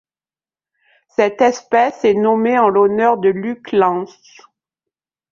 Cette espèce est nommée en l'honneur de Luc Lens.